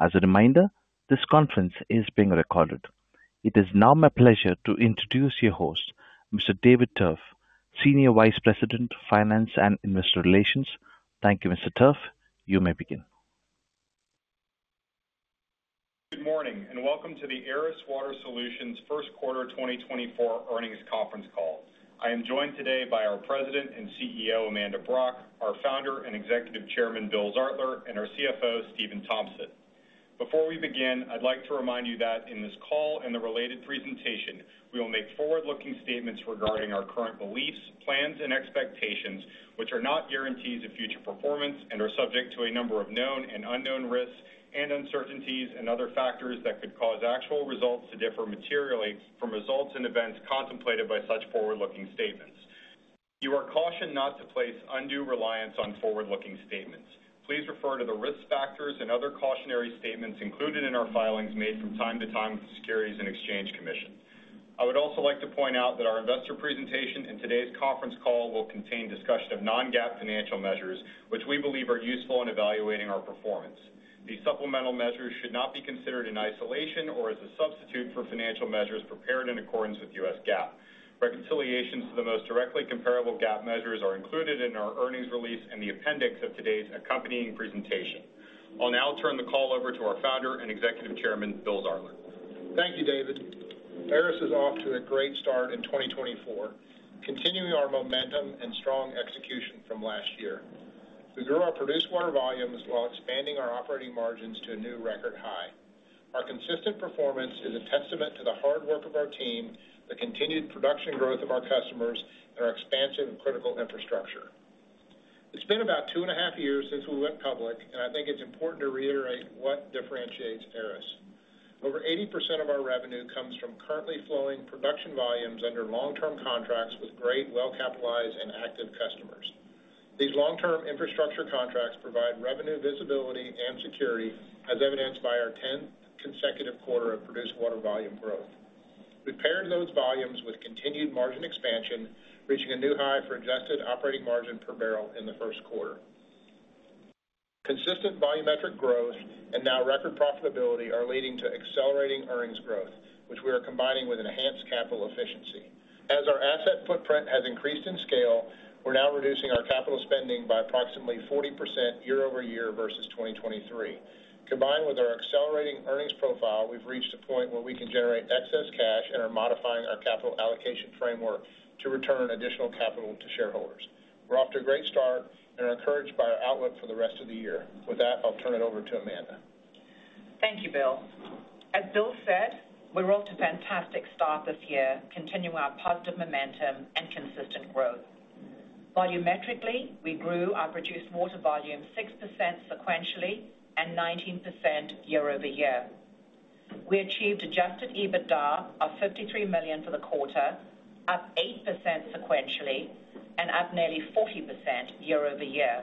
As a reminder, this conference is being recorded. It is now my pleasure to introduce your host, Mr. David Tuerff, Senior Vice President, Finance and Investor Relations. Thank you, Mr. Tuerff. You may begin. Good morning and welcome to the Aris Water Solutions First Quarter 2024 Earnings Conference Call. I am joined today by our President and CEO, Amanda Brock, our Founder and Executive Chairman, Bill Zartler, and our CFO, Stephan Tompsett. Before we begin, I'd like to remind you that in this call and the related presentation, we will make forward-looking statements regarding our current beliefs, plans, and expectations, which are not guarantees of future performance and are subject to a number of known and unknown risks and uncertainties and other factors that could cause actual results to differ materially from results and events contemplated by such forward-looking statements. You are cautioned not to place undue reliance on forward-looking statements. Please refer to the risk factors and other cautionary statements included in our filings made from time to time with the Securities and Exchange Commission. I would also like to point out that our investor presentation and today's conference call will contain discussion of non-GAAP financial measures, which we believe are useful in evaluating our performance. These supplemental measures should not be considered in isolation or as a substitute for financial measures prepared in accordance with U.S. GAAP. Reconciliations to the most directly comparable GAAP measures are included in our earnings release and the appendix of today's accompanying presentation. I'll now turn the call over to our Founder and Executive Chairman, Bill Zartler. Thank you, David. Aris is off to a great start in 2024, continuing our momentum and strong execution from last year. We grew our produced water volumes while expanding our operating margins to a new record high. Our consistent performance is a testament to the hard work of our team, the continued production growth of our customers, and our expansive and critical infrastructure. It's been about 2.5 years since we went public, and I think it's important to reiterate what differentiates Aris. Over 80% of our revenue comes from currently flowing production volumes under long-term contracts with great, well-capitalized, and active customers. These long-term infrastructure contracts provide revenue visibility and security, as evidenced by our 10th consecutive quarter of produced water volume growth. We've paired those volumes with continued margin expansion, reaching a new high for adjusted operating margin per barrel in the first quarter. Consistent volumetric growth and now record profitability are leading to accelerating earnings growth, which we are combining with enhanced capital efficiency. As our asset footprint has increased in scale, we're now reducing our capital spending by approximately 40% year-over-year versus 2023. Combined with our accelerating earnings profile, we've reached a point where we can generate excess cash and are modifying our capital allocation framework to return additional capital to shareholders. We're off to a great start and are encouraged by our outlook for the rest of the year. With that, I'll turn it over to Amanda. Thank you, Bill. As Bill said, we're off to a fantastic start this year, continuing our positive momentum and consistent growth. Volumetrically, we grew our Produced Water volume 6% sequentially and 19% year-over-year. We achieved Adjusted EBITDA of $53 million for the quarter, up 8% sequentially, and up nearly 40% year-over-year.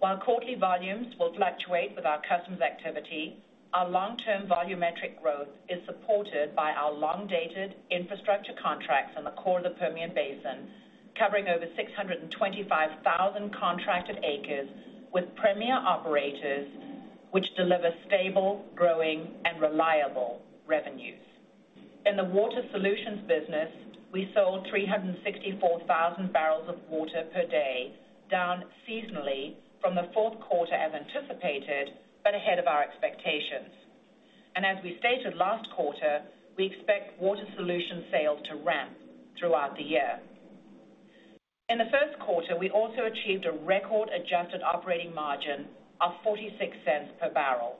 While quarterly volumes will fluctuate with our customer activity, our long-term volumetric growth is supported by our long-dated infrastructure contracts in the core of the Permian Basin, covering over 625,000 contracted acres with premier operators, which deliver stable, growing, and reliable revenues. In the Water Solutions business, we sold 364,000 barrels of water per day, down seasonally from the fourth quarter as anticipated but ahead of our expectations. And as we stated last quarter, we expect Water Solution sales to ramp throughout the year. In the first quarter, we also achieved a record Adjusted Operating Margin of $0.0046 per barrel.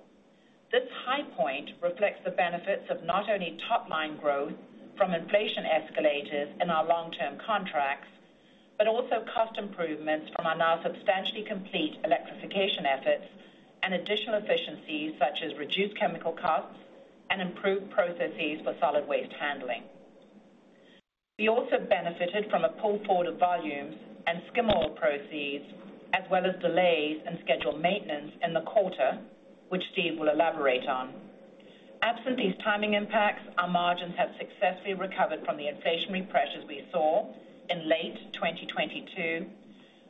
This high point reflects the benefits of not only top-line growth from inflation escalators in our long-term contracts but also cost improvements from our now substantially complete electrification efforts and additional efficiencies such as reduced chemical costs and improved processes for solid waste handling. We also benefited from a pull forward of volumes and skim oil proceeds as well as delays in scheduled maintenance in the quarter, which Steve will elaborate on. Absent these timing impacts, our margins have successfully recovered from the inflationary pressures we saw in late 2022,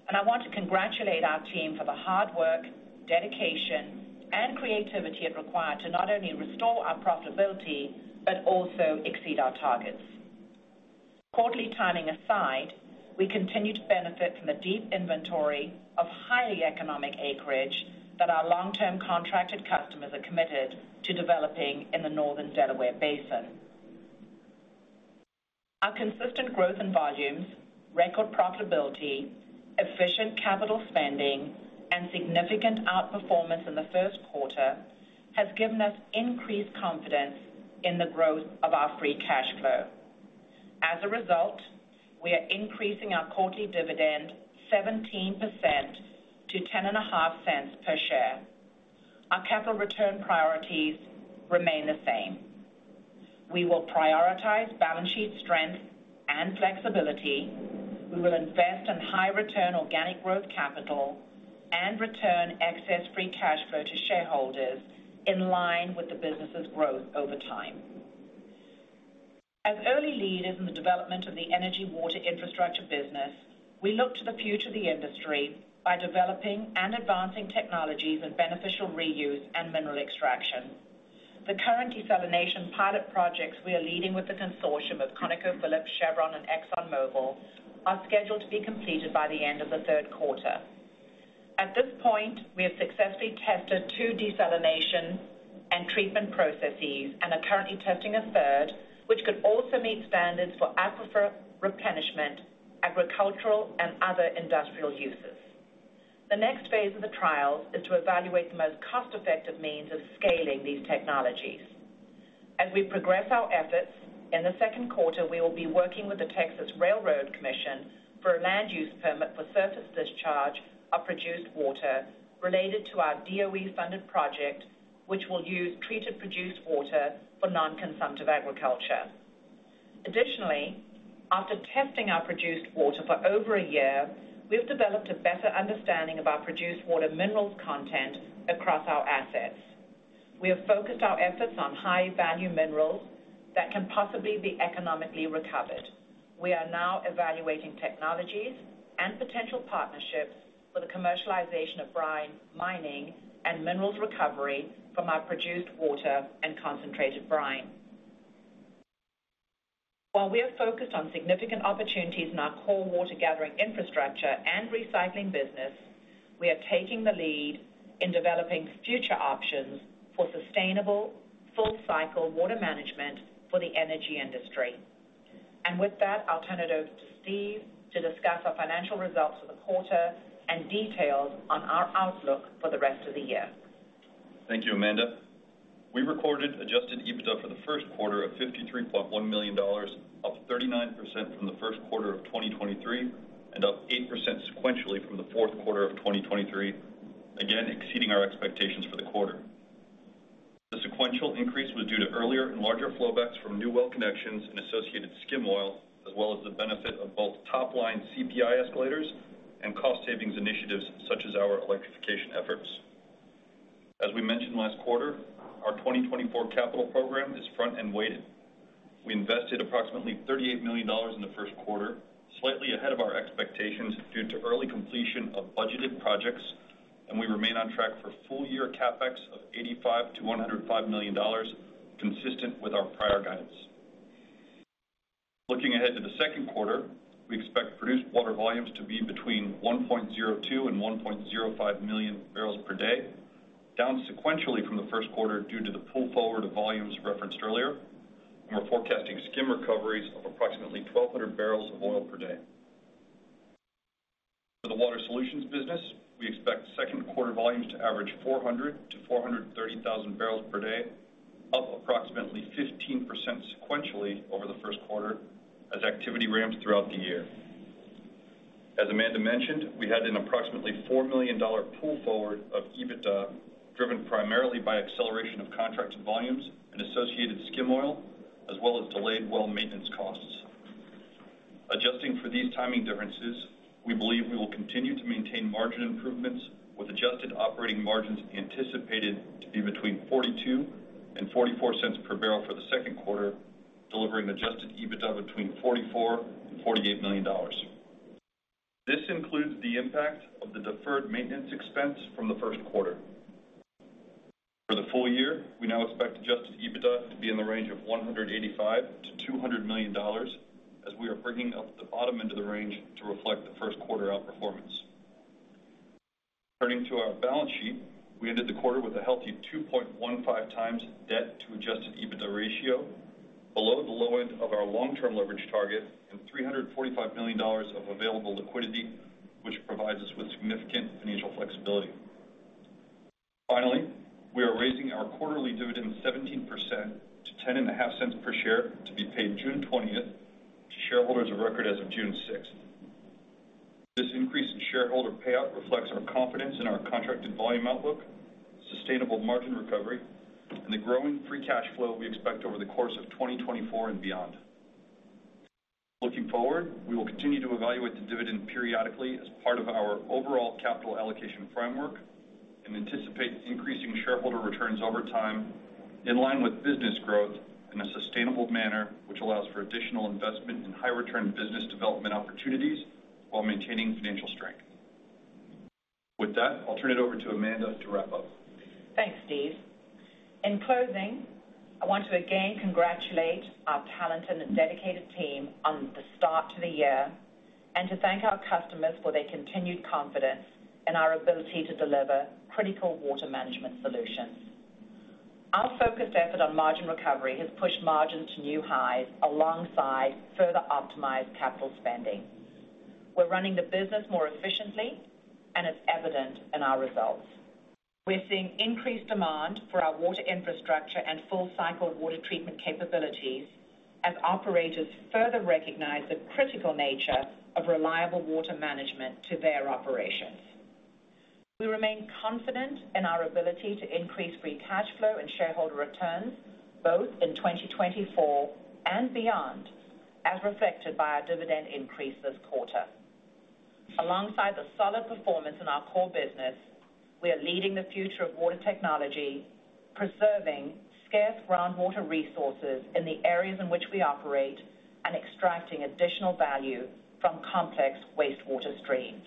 and I want to congratulate our team for the hard work, dedication, and creativity it required to not only restore our profitability but also exceed our targets. Quarterly timing aside, we continue to benefit from the deep inventory of highly economic acreage that our long-term contracted customers are committed to developing in the Northern Delaware Basin. Our consistent growth in volumes, record profitability, efficient capital spending, and significant outperformance in the first quarter has given us increased confidence in the growth of our free cash flow. As a result, we are increasing our quarterly dividend 17% to $0.105 per share. Our capital return priorities remain the same. We will prioritize balance sheet strength and flexibility. We will invest in high-return organic growth capital and return excess free cash flow to shareholders in line with the business's growth over time. As early leaders in the development of the energy water infrastructure business, we look to the future of the industry by developing and advancing technologies in beneficial reuse and mineral extraction. The current desalination pilot projects we are leading with the consortium of ConocoPhillips, Chevron, and ExxonMobil are scheduled to be completed by the end of the third quarter. At this point, we have successfully tested two desalination and treatment processes and are currently testing a third, which could also meet standards for aquifer replenishment, agricultural, and other industrial uses. The next phase of the trials is to evaluate the most cost-effective means of scaling these technologies. As we progress our efforts, in the second quarter, we will be working with the Texas Railroad Commission for a land use permit for surface discharge of produced water related to our DOE-funded project, which will use treated produced water for non-consumptive agriculture. Additionally, after testing our produced water for over a year, we have developed a better understanding of our produced water minerals content across our assets. We have focused our efforts on high-value minerals that can possibly be economically recovered. We are now evaluating technologies and potential partnerships for the commercialization of brine mining and minerals recovery from our produced water and concentrated brine. While we are focused on significant opportunities in our core water-gathering infrastructure and recycling business, we are taking the lead in developing future options for sustainable full-cycle water management for the energy industry. With that, I'll turn it over to Steve to discuss our financial results for the quarter and details on our outlook for the rest of the year. Thank you, Amanda. We recorded Adjusted EBITDA for the first quarter of $53.1 million, up 39% from the first quarter of 2023 and up 8% sequentially from the fourth quarter of 2023, again exceeding our expectations for the quarter. The sequential increase was due to earlier and larger flowbacks from new well connections and associated skim oil, as well as the benefit of both top-line CPI escalators and cost-savings initiatives such as our electrification efforts. As we mentioned last quarter, our 2024 capital program is front-end weighted. We invested approximately $38 million in the first quarter, slightly ahead of our expectations due to early completion of budgeted projects, and we remain on track for full-year CapEx of $85-$105 million, consistent with our prior guidance. Looking ahead to the second quarter, we expect produced water volumes to be between 1.02 and 1.05 million barrels per day, down sequentially from the first quarter due to the pull forward of volumes referenced earlier, and we're forecasting skim recoveries of approximately 1,200 barrels of oil per day. For the water solutions business, we expect second-quarter volumes to average 400-430,000 barrels per day, up approximately 15% sequentially over the first quarter as activity ramps throughout the year. As Amanda mentioned, we had an approximately $4 million pull forward of EBITDA driven primarily by acceleration of contracted volumes and associated skim oil, as well as delayed well maintenance costs. Adjusting for these timing differences, we believe we will continue to maintain margin improvements with adjusted operating margins anticipated to be between $0.42 and $0.44 per barrel for the second quarter, delivering Adjusted EBITDA between $44 million and $48 million. This includes the impact of the deferred maintenance expense from the first quarter. For the full year, we now expect Adjusted EBITDA to be in the range of $185-$200 million, as we are bringing up the bottom end of the range to reflect the first quarter outperformance. Turning to our balance sheet, we ended the quarter with a healthy 2.15x debt-to-Adjusted EBITDA ratio, below the low end of our long-term leverage target and $345 million of available liquidity, which provides us with significant financial flexibility. Finally, we are raising our quarterly dividend 17% to $0.105 per share to be paid June 20th to shareholders of record as of June 6th. This increase in shareholder payout reflects our confidence in our contracted volume outlook, sustainable margin recovery, and the growing free cash flow we expect over the course of 2024 and beyond. Looking forward, we will continue to evaluate the dividend periodically as part of our overall capital allocation framework and anticipate increasing shareholder returns over time in line with business growth in a sustainable manner, which allows for additional investment in high-return business development opportunities while maintaining financial strength. With that, I'll turn it over to Amanda to wrap up. Thanks, Steve. In closing, I want to again congratulate our talented and dedicated team on the start to the year and to thank our customers for their continued confidence in our ability to deliver critical water management solutions. Our focused effort on margin recovery has pushed margins to new highs alongside further optimized capital spending. We're running the business more efficiently, and it's evident in our results. We're seeing increased demand for our water infrastructure and full-cycle water treatment capabilities as operators further recognize the critical nature of reliable water management to their operations. We remain confident in our ability to increase free cash flow and shareholder returns both in 2024 and beyond, as reflected by our dividend increase this quarter. Alongside the solid performance in our core business, we are leading the future of water technology, preserving scarce groundwater resources in the areas in which we operate, and extracting additional value from complex wastewater streams.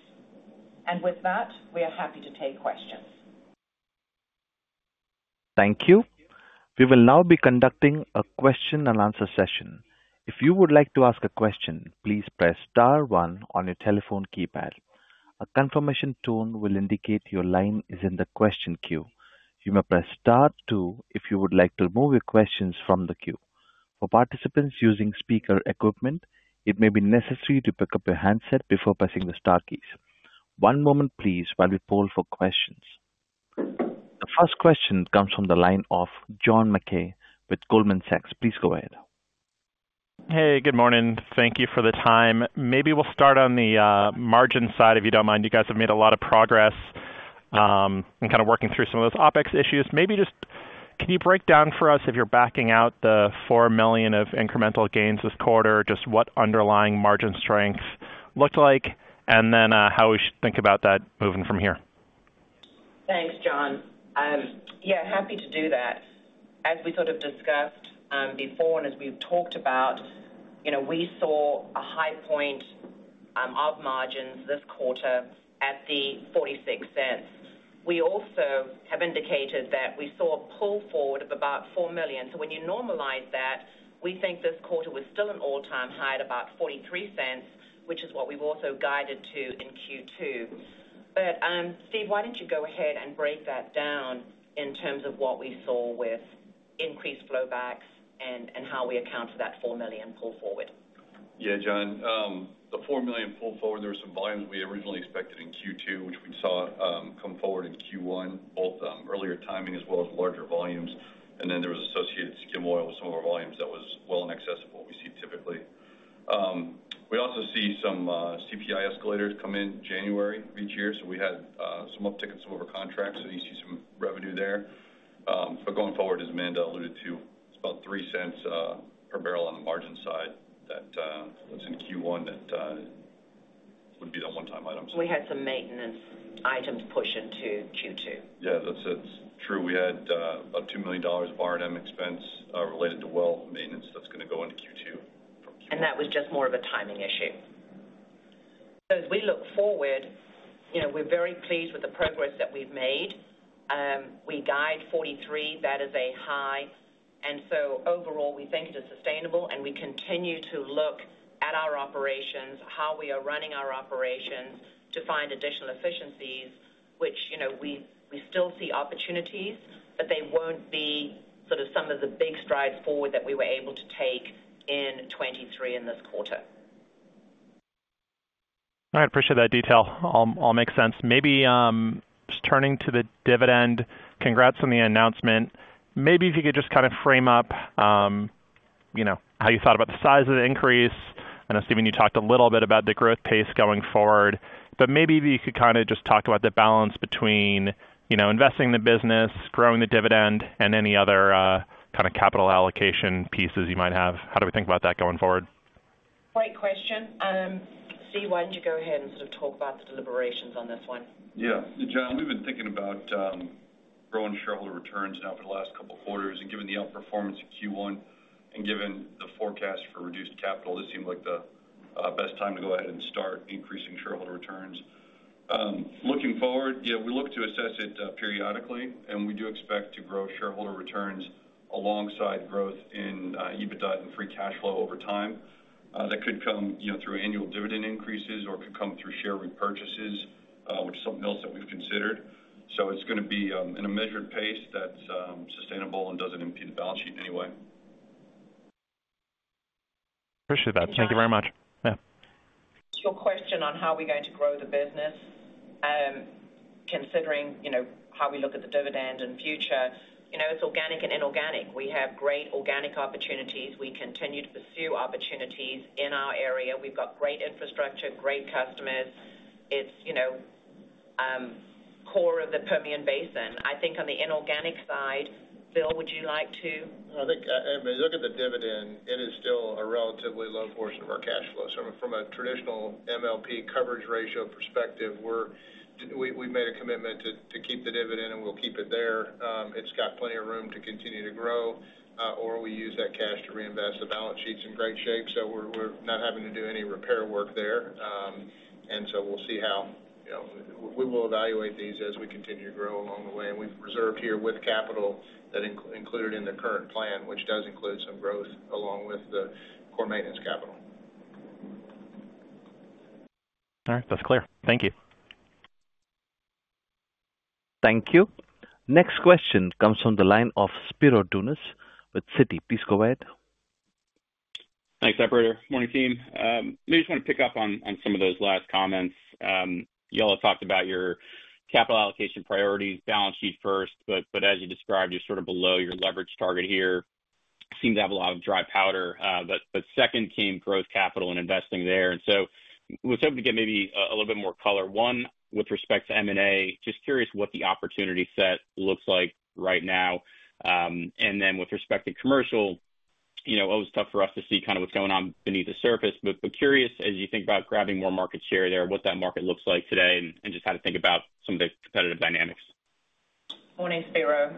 With that, we are happy to take questions. Thank you. We will now be conducting a question-and-answer session. If you would like to ask a question, please press star 1 on your telephone keypad. A confirmation tone will indicate your line is in the question queue. You may press star 2 if you would like to remove your questions from the queue. For participants using speaker equipment, it may be necessary to pick up your handset before pressing the star keys. One moment, please, while we poll for questions. The first question comes from the line of John MacKay with Goldman Sachs. Please go ahead. Hey, good morning. Thank you for the time. Maybe we'll start on the margin side if you don't mind. You guys have made a lot of progress in kind of working through some of those OpEx issues. Maybe just can you break down for us, if you're backing out the $4 million of incremental gains this quarter, just what underlying margin strength looked like, and then how we should think about that moving from here? Thanks, John. Yeah, happy to do that. As we sort of discussed before and as we've talked about, we saw a high point of margins this quarter at the $0.46. We also have indicated that we saw a pull forward of about $4 million. So when you normalize that, we think this quarter was still an all-time high at about $0.43, which is what we've also guided to in Q2. But Steve, why don't you go ahead and break that down in terms of what we saw with increased flowbacks and how we account for that $4 million pull forward? Yeah, John. The $4 million pull forward, there were some volumes we originally expected in Q2, which we saw come forward in Q1, both earlier timing as well as larger volumes. And then there was associated skim oil with some of our volumes that was well in excess of what we see typically. We also see some CPI escalators come in January of each year. So we had some uptick in some of our contracts. So you see some revenue there. But going forward, as Amanda alluded to, it's about $0.03 per barrel on the margin side that that's in Q1 that would be the one-time items. We had some maintenance items push into Q2. Yeah, that's true. We had about $2 million of R&M expense related to well maintenance that's going to go into Q2 from Q1. That was just more of a timing issue. So as we look forward, we're very pleased with the progress that we've made. We guide 43. That is a high. So overall, we think it is sustainable, and we continue to look at our operations, how we are running our operations to find additional efficiencies, which we still see opportunities, but they won't be sort of some of the big strides forward that we were able to take in 2023 in this quarter. All right. Appreciate that detail. All makes sense. Maybe just turning to the dividend, congrats on the announcement. Maybe if you could just kind of frame up how you thought about the size of the increase. I know, Steve, you talked a little bit about the growth pace going forward, but maybe if you could kind of just talk about the balance between investing in the business, growing the dividend, and any other kind of capital allocation pieces you might have. How do we think about that going forward? Great question. Steve, why don't you go ahead and sort of talk about the deliberations on this one? Yeah. John, we've been thinking about growing shareholder returns now for the last couple of quarters. And given the outperformance in Q1 and given the forecast for reduced capital, this seemed like the best time to go ahead and start increasing shareholder returns. Looking forward, yeah, we look to assess it periodically, and we do expect to grow shareholder returns alongside growth in EBITDA and Free Cash Flow over time. That could come through annual dividend increases or could come through share repurchases, which is something else that we've considered. So it's going to be in a measured pace that's sustainable and doesn't impede the balance sheet anyway. Appreciate that. Thank you very much. Yeah. Your question on how we're going to grow the business, considering how we look at the dividend in future, it's organic and inorganic. We have great organic opportunities. We continue to pursue opportunities in our area. We've got great infrastructure, great customers. It's core of the Permian Basin. I think on the inorganic side, Bill, would you like to? I think, Amy, look at the dividend. It is still a relatively low portion of our cash flow. So from a traditional MLP coverage ratio perspective, we've made a commitment to keep the dividend, and we'll keep it there. It's got plenty of room to continue to grow. Or we use that cash to reinvest. The balance sheet's in great shape, so we're not having to do any repair work there. And so we'll see how we will evaluate these as we continue to grow along the way. And we've reserved here with capital that included in the current plan, which does include some growth along with the core maintenance capital. All right. That's clear. Thank you. Thank you. Next question comes from the line of Spiro Dounis with Citi. Please go ahead. Thanks, Operator. Morning, team. Maybe I just want to pick up on some of those last comments. Y'all have talked about your capital allocation priorities, balance sheet first, but as you described, you're sort of below your leverage target here. Seem to have a lot of dry powder. Second came growth capital and investing there. So I was hoping to get maybe a little bit more color. One, with respect to M&A, just curious what the opportunity set looks like right now. And then with respect to commercial, always tough for us to see kind of what's going on beneath the surface. But curious, as you think about grabbing more market share there, what that market looks like today and just how to think about some of the competitive dynamics. Morning, Spiro.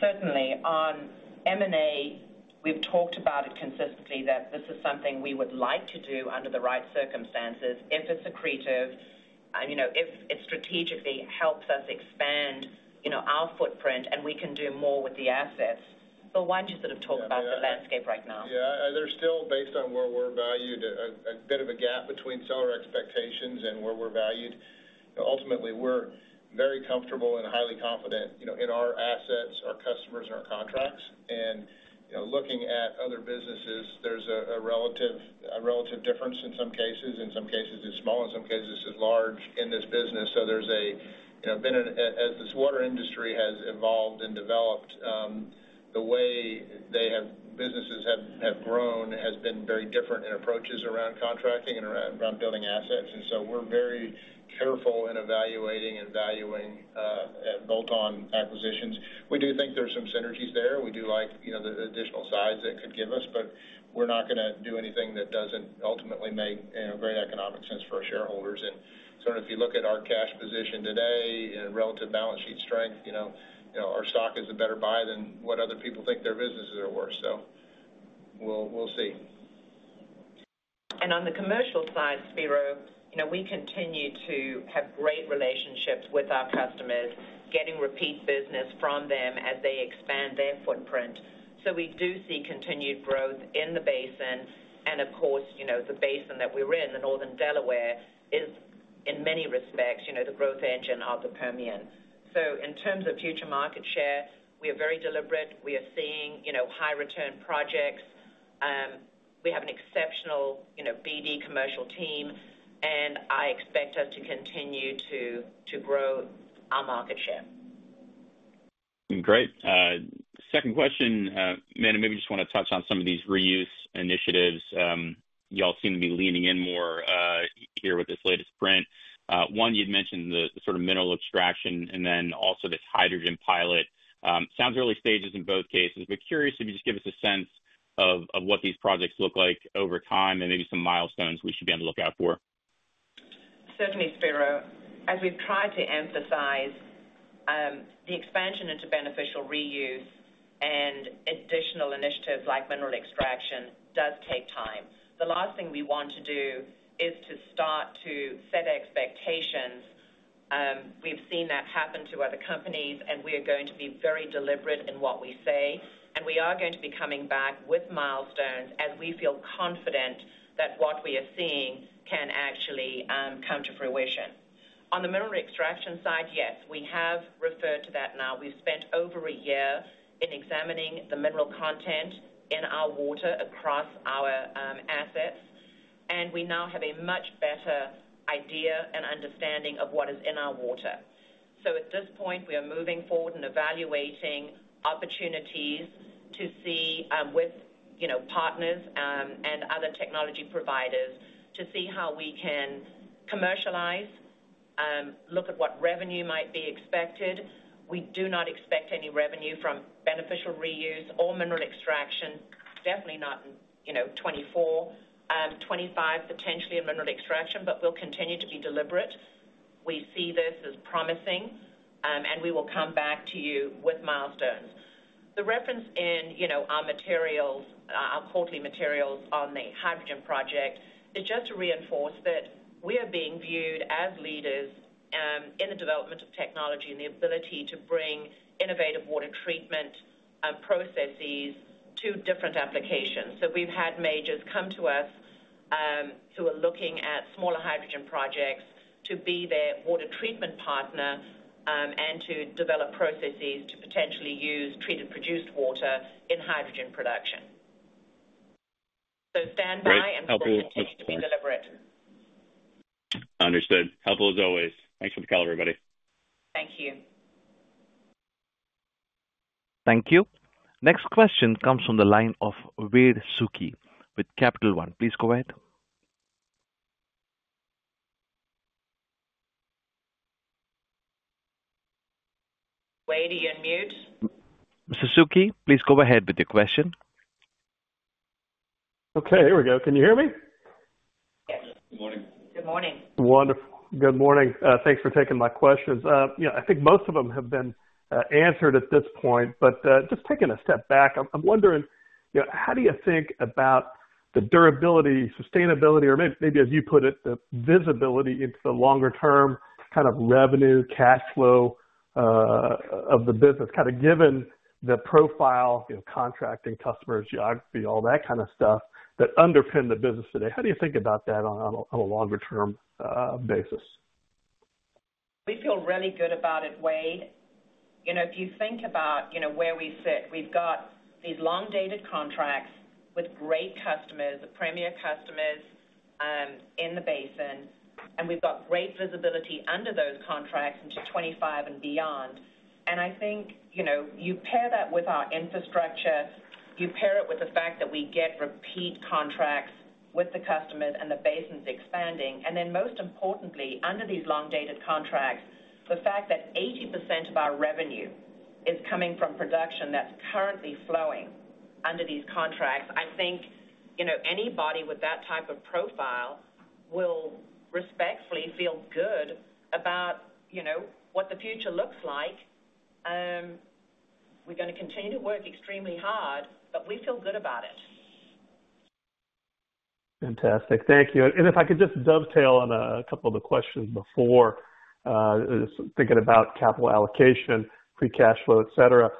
Certainly, on M&A, we've talked about it consistently that this is something we would like to do under the right circumstances. If it's accretive and if it strategically helps us expand our footprint and we can do more with the assets, Bill, why don't you sort of talk about the landscape right now? Yeah. There's still, based on where we're valued, a bit of a gap between seller expectations and where we're valued. Ultimately, we're very comfortable and highly confident in our assets, our customers, and our contracts. And looking at other businesses, there's a relative difference in some cases. In some cases, it's small. In some cases, it's large in this business. So there's a bit of an as this water industry has evolved and developed, the way businesses have grown has been very different in approaches around contracting and around building assets. And so we're very careful in evaluating and valuing bolt-on acquisitions. We do think there's some synergies there. We do like the additional sides that could give us, but we're not going to do anything that doesn't ultimately make great economic sense for our shareholders. And so if you look at our cash position today and relative balance sheet strength, our stock is a better buy than what other people think their businesses are worth. So we'll see. On the commercial side, Spiro, we continue to have great relationships with our customers, getting repeat business from them as they expand their footprint. We do see continued growth in the basin. Of course, the basin that we're in, the Northern Delaware, is in many respects the growth engine of the Permian. In terms of future market share, we are very deliberate. We are seeing high-return projects. We have an exceptional BD commercial team, and I expect us to continue to grow our market share. Great. Second question, Amanda, maybe just want to touch on some of these reuse initiatives. Y'all seem to be leaning in more here with this latest print. One, you'd mentioned the sort of mineral extraction and then also this hydrogen pilot. Sounds early stages in both cases, but curious if you just give us a sense of what these projects look like over time and maybe some milestones we should be on the lookout for. Certainly, Spiro. As we've tried to emphasize, the expansion into beneficial reuse and additional initiatives like mineral extraction does take time. The last thing we want to do is to start to set expectations. We've seen that happen to other companies, and we are going to be very deliberate in what we say. We are going to be coming back with milestones as we feel confident that what we are seeing can actually come to fruition. On the mineral extraction side, yes, we have referred to that now. We've spent over a year in examining the mineral content in our water across our assets, and we now have a much better idea and understanding of what is in our water. So at this point, we are moving forward and evaluating opportunities with partners and other technology providers to see how we can commercialize, look at what revenue might be expected. We do not expect any revenue from Beneficial Reuse or mineral extraction, definitely not in 2024. 2025, potentially in mineral extraction, but we'll continue to be deliberate. We see this as promising, and we will come back to you with milestones. The reference in our quarterly materials on the hydrogen project is just to reinforce that we are being viewed as leaders in the development of technology and the ability to bring innovative water treatment processes to different applications. So we've had majors come to us who are looking at smaller hydrogen projects to be their water treatment partner and to develop processes to potentially use treated Produced Water in hydrogen production. So stand by and continue to be deliberate. Understood. Helpful as always. Thanks for the call, everybody. Thank you. Thank you. Next question comes from the line of Wade Suki with Capital One. Please go ahead. Wade, are you on mute? Mr. Suki, please go ahead with your question. Okay. Here we go. Can you hear me? Yes. Good morning. Good morning. Wonderful. Good morning. Thanks for taking my questions. I think most of them have been answered at this point, but just taking a step back, I'm wondering, how do you think about the durability, sustainability, or maybe as you put it, the visibility into the longer-term kind of revenue, cash flow of the business, kind of given the profile, contracting, customer geography, all that kind of stuff that underpin the business today? How do you think about that on a longer-term basis? We feel really good about it, Wade. If you think about where we sit, we've got these long-dated contracts with great customers, premier customers in the basin, and we've got great visibility under those contracts into 2025 and beyond. And I think you pair that with our infrastructure. You pair it with the fact that we get repeat contracts with the customers, and the basin's expanding. And then most importantly, under these long-dated contracts, the fact that 80% of our revenue is coming from production that's currently flowing under these contracts, I think anybody with that type of profile will respectfully feel good about what the future looks like. We're going to continue to work extremely hard, but we feel good about it. Fantastic. Thank you. And if I could just dovetail on a couple of the questions before, thinking about capital allocation, free cash flow, etc.,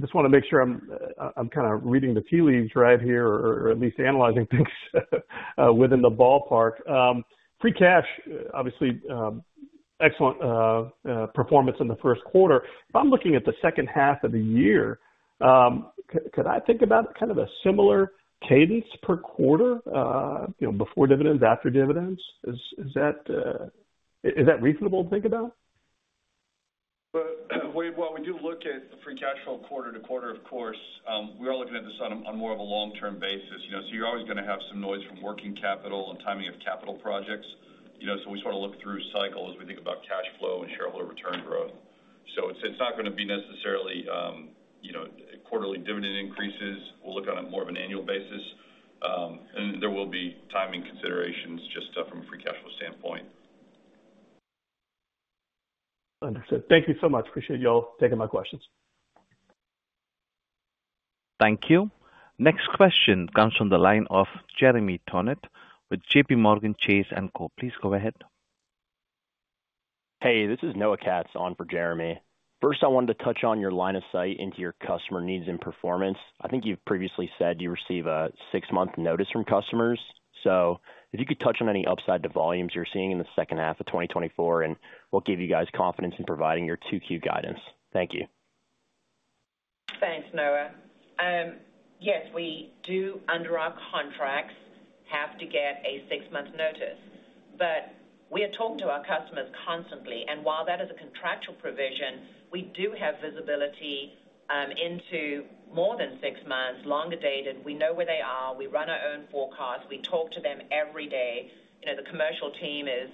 just want to make sure I'm kind of reading the tea leaves right here or at least analyzing things within the ballpark. Free cash, obviously, excellent performance in the first quarter. If I'm looking at the second half of the year, could I think about kind of a similar cadence per quarter before dividends, after dividends? Is that reasonable to think about? Wade, while we do look at the free cash flow quarter to quarter, of course, we are looking at this on more of a long-term basis. So you're always going to have some noise from working capital and timing of capital projects. So we sort of look through cycles as we think about cash flow and shareholder return growth. So it's not going to be necessarily quarterly dividend increases. We'll look on it more of an annual basis. And there will be timing considerations just from a free cash flow standpoint. Understood. Thank you so much. Appreciate y'all taking my questions. Thank you. Next question comes from the line of Jeremy Tonet with JPMorgan Chase & Co. Please go ahead. Hey, this is Noah Katz on for Jeremy. First, I wanted to touch on your line of sight into your customer needs and performance. I think you've previously said you receive a six-month notice from customers. So if you could touch on any upside to volumes you're seeing in the second half of 2024, and we'll give you guys confidence in providing your 2Q guidance. Thank you. Thanks, Noah. Yes, we do, under our contracts, have to get a six-month notice. But we are talking to our customers constantly. And while that is a contractual provision, we do have visibility into more than six months, longer dated. We know where they are. We run our own forecasts. We talk to them every day. The commercial team is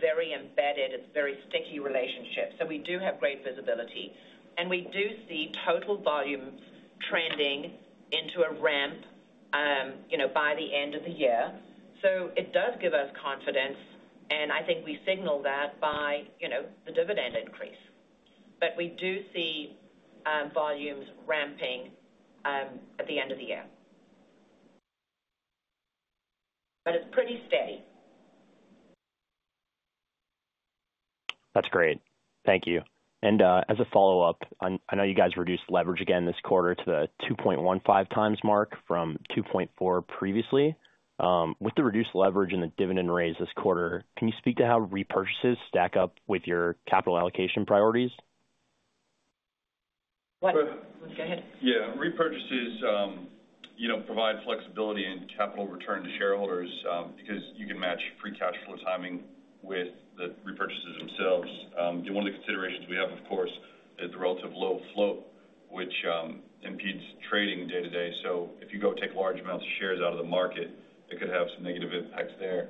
very embedded. It's a very sticky relationship. So we do have great visibility. And we do see total volumes trending into a ramp by the end of the year. So it does give us confidence. And I think we signal that by the dividend increase. But we do see volumes ramping at the end of the year. But it's pretty steady. That's great. Thank you. And as a follow-up, I know you guys reduced leverage again this quarter to the 2.15x mark from 2.4x previously. With the reduced leverage and the dividend raise this quarter, can you speak to how repurchases stack up with your capital allocation priorities? Go ahead. Yeah. Repurchases provide flexibility in capital return to shareholders because you can match free cash flow timing with the repurchases themselves. One of the considerations we have, of course, is the relative low float, which impedes trading day to day. So if you go take large amounts of shares out of the market, it could have some negative impacts there.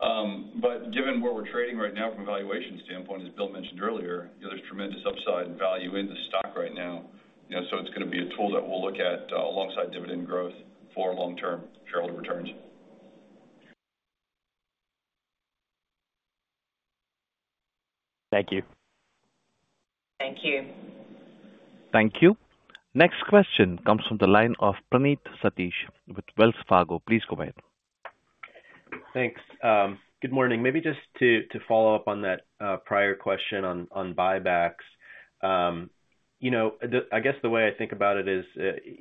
But given where we're trading right now from a valuation standpoint, as Bill mentioned earlier, there's tremendous upside and value in the stock right now. So it's going to be a tool that we'll look at alongside dividend growth for long-term shareholder returns. Thank you. Thank you. Thank you. Next question comes from the line of Praneeth Satish with Wells Fargo. Please go ahead. Thanks. Good morning. Maybe just to follow up on that prior question on buybacks, I guess the way I think about it is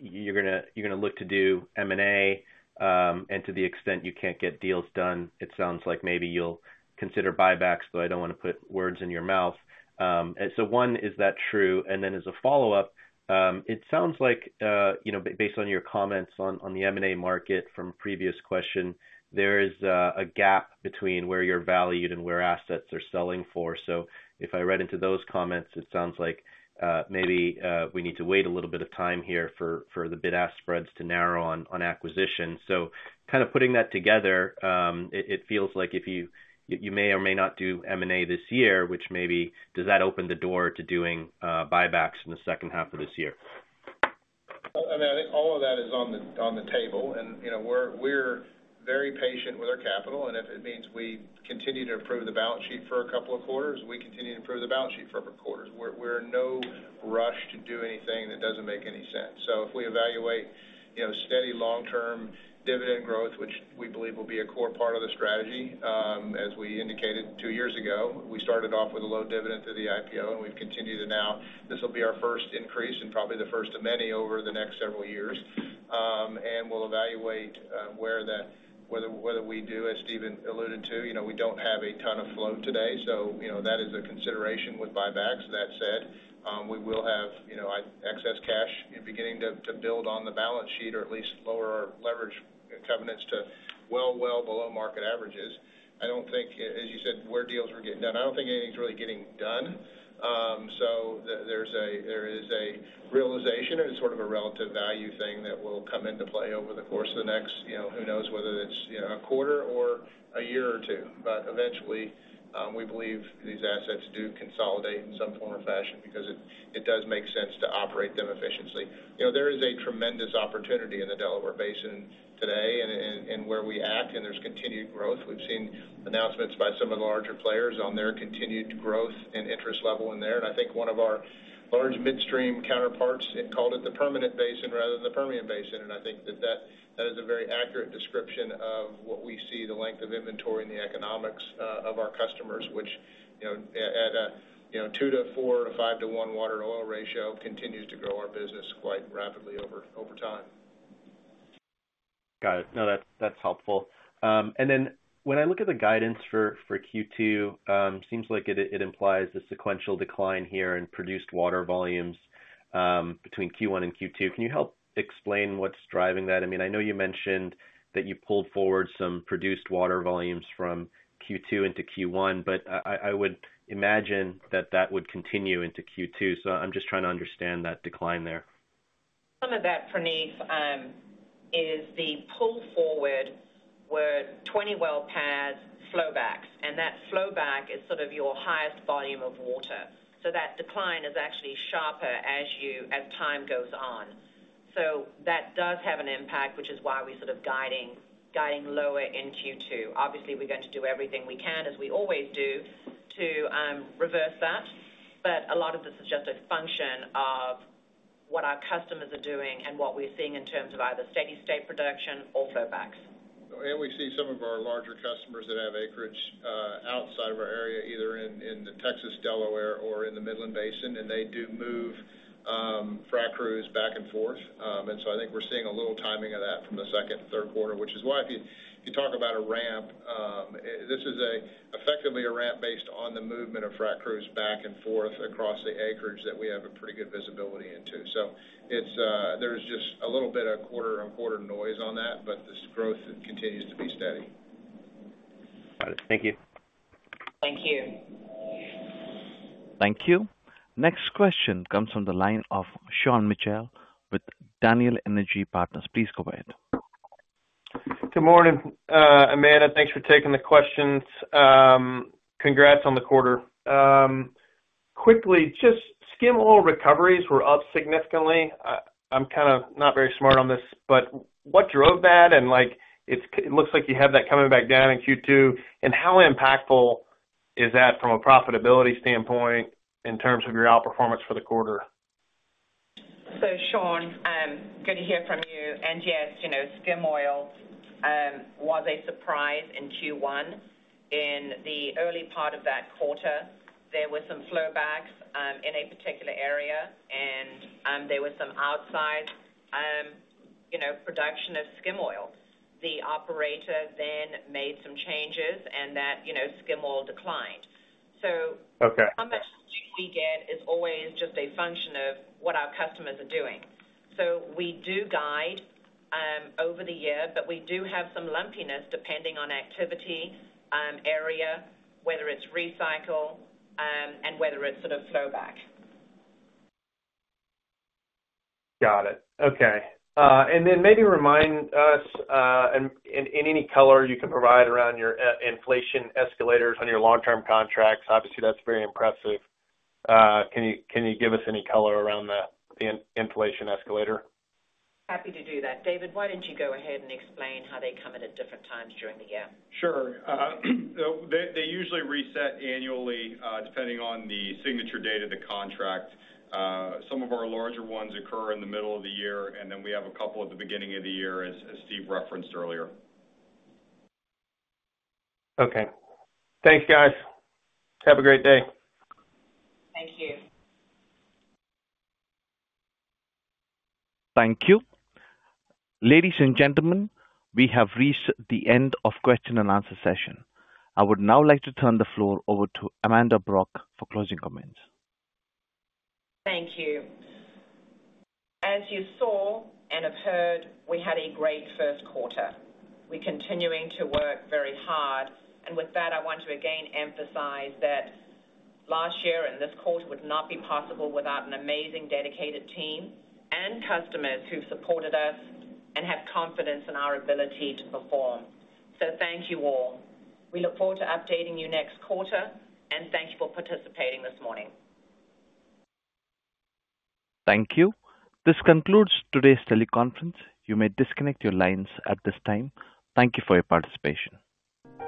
you're going to look to do M&A. And to the extent you can't get deals done, it sounds like maybe you'll consider buybacks, though I don't want to put words in your mouth. So one, is that true? And then as a follow-up, it sounds like, based on your comments on the M&A market from previous question, there is a gap between where you're valued and where assets are selling for. So if I read into those comments, it sounds like maybe we need to wait a little bit of time here for the bid-ask spreads to narrow on acquisition. So kind of putting that together, it feels like you may or may not do M&A this year, which maybe does that open the door to doing buybacks in the second half of this year? I mean, I think all of that is on the table. And we're very patient with our capital. And if it means we continue to improve the balance sheet for a couple of quarters, we continue to improve the balance sheet for other quarters. We're in no rush to do anything that doesn't make any sense. So if we evaluate steady, long-term dividend growth, which we believe will be a core part of the strategy, as we indicated two years ago, we started off with a low dividend through the IPO, and we've continued to now this will be our first increase and probably the first of many over the next several years. And we'll evaluate whether we do, as Stephan alluded to, we don't have a ton of float today. So that is a consideration with buybacks. That said, we will have excess cash beginning to build on the balance sheet or at least lower our leverage covenants to well, well below market averages. I don't think, as you said, where deals were getting done. I don't think anything's really getting done. So there is a realization, and it's sort of a relative value thing that will come into play over the course of the next who knows whether it's a quarter or a year or two. But eventually, we believe these assets do consolidate in some form or fashion because it does make sense to operate them efficiently. There is a tremendous opportunity in the Delaware Basin today and where we act, and there's continued growth. We've seen announcements by some of the larger players on their continued growth and interest level in there. I think one of our large midstream counterparts called it the Permanent Basin rather than the Permian Basin. I think that that is a very accurate description of what we see, the length of inventory and the economics of our customers, which at a 2- to 4- to 5-to-1 water-to-oil ratio continues to grow our business quite rapidly over time. Got it. No, that's helpful. And then when I look at the guidance for Q2, it seems like it implies a sequential decline here in produced water volumes between Q1 and Q2. Can you help explain what's driving that? I mean, I know you mentioned that you pulled forward some produced water volumes from Q2 into Q1, but I would imagine that that would continue into Q2. So I'm just trying to understand that decline there. Some of that, Praneeth, is the pull forward were 20 well pads, flowbacks. That flowback is sort of your highest volume of water. So that decline is actually sharper as time goes on. So that does have an impact, which is why we're sort of guiding lower in Q2. Obviously, we're going to do everything we can, as we always do, to reverse that. But a lot of this is just a function of what our customers are doing and what we're seeing in terms of either steady state production or flowbacks. We see some of our larger customers that have acreage outside of our area, either in the Texas Delaware or in the Midland Basin. They do move frac crews back and forth. I think we're seeing a little timing of that from the second and third quarter, which is why if you talk about a ramp, this is effectively a ramp based on the movement of frac crews back and forth across the acreage that we have a pretty good visibility into. There's just a little bit of quarter-on-quarter noise on that, but this growth continues to be steady. Got it. Thank you. Thank you. Thank you. Next question comes from the line of Sean Mitchell with Daniel Energy Partners. Please go ahead. Good morning, Amanda. Thanks for taking the questions. Congrats on the quarter. Quickly, just skim oil recoveries. We're up significantly. I'm kind of not very smart on this, but what drove that? And it looks like you have that coming back down in Q2. And how impactful is that from a profitability standpoint in terms of your outperformance for the quarter? So Sean, good to hear from you. And yes, skim oil was a surprise in Q1. In the early part of that quarter, there were some flowbacks in a particular area, and there was some outside production of skim oil. The operator then made some changes, and that skim oil declined. So how much do we get is always just a function of what our customers are doing. So we do guide over the year, but we do have some lumpiness depending on activity, area, whether it's recycle, and whether it's sort of flowback. Got it. Okay. And then maybe remind us in any color you can provide around your inflation escalators on your long-term contracts. Obviously, that's very impressive. Can you give us any color around the inflation escalator? Happy to do that. David, why don't you go ahead and explain how they come at different times during the year? Sure. They usually reset annually depending on the signature date of the contract. Some of our larger ones occur in the middle of the year, and then we have a couple at the beginning of the year, as Steve referenced earlier. Okay. Thanks, guys. Have a great day. Thank you. Thank you. Ladies and gentlemen, we have reached the end of question-and-answer session. I would now like to turn the floor over to Amanda Brock for closing comments. Thank you. As you saw and have heard, we had a great first quarter. We're continuing to work very hard. And with that, I want to again emphasize that last year and this quarter would not be possible without an amazing dedicated team and customers who've supported us and have confidence in our ability to perform. So thank you all. We look forward to updating you next quarter, and thank you for participating this morning. Thank you. This concludes today's teleconference. You may disconnect your lines at this time. Thank you for your participation.